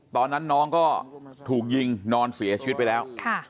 ตอนนั้นน้องก็ถูกยิงนอนเสียชีวิตไปแล้ว